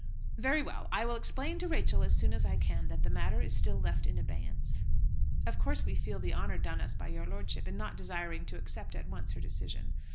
"Very well. I will explain to Rachel as soon as I can that the matter is still left in abeyance. Of course we feel the honour done us by your lordship in not desiring to accept at once her decision.